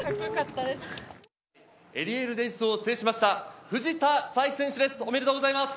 エリエールレディスを制しました、藤田さいき選手です。